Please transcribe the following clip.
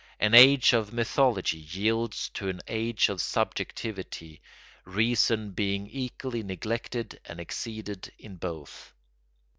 An age of mythology yields to an age of subjectivity; reason being equally neglected and exceeded in both.